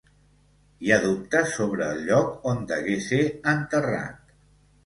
Hi ha dubtes sobre el lloc on degué ser enterrat.